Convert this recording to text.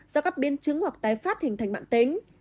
do các biến chứng hoặc tái phát hình thành mạng tính